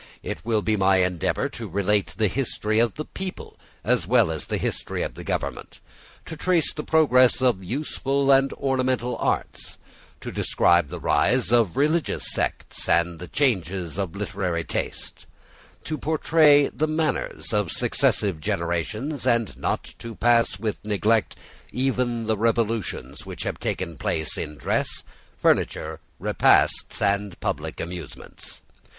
It will be my endeavour to relate the history of the people as well as the history of the government, to trace the progress of useful and ornamental arts, to describe the rise of religious sects and the changes of literary taste, to portray the manners of successive generations and not to pass by with neglect even the revolutions which have taken place in dress, furniture, repasts, and public amusements.